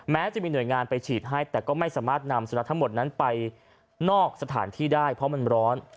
แม้จะมีหน่วยงานไปฉีดให้แต่ก็ไม่สามารถนำสุนัขทั้งหมดนั้นไปนอกสถานที่ได้เพราะมันร้อน